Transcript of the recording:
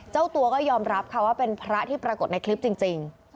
เจ้าตัวก็ยอมรับค่ะว่าเป็นพระที่ปรากฏในคลิปจริง